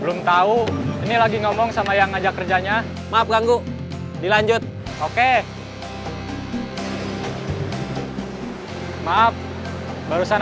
belum tahu ini lagi ngomong sama yang ngajak kerjanya maaf ganggu dilanjut oke maaf barusan